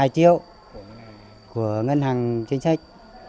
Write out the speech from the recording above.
một mươi hai triệu của ngân hàng chính sách